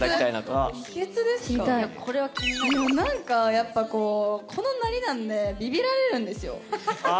なんかやっぱこうこのなりなんでビビられるんですよ。